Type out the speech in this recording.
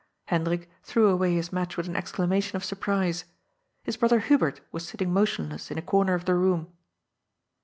Hendrik threw away his match with an exclamation of surprise. His brother Hubert was sitting motionless in a comer of the room.